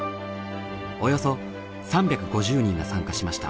およそ３５０人が参加しました。